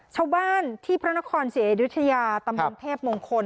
ชาวบ้านที่พระนครศรีอยุธยาตำบลเทพมงคล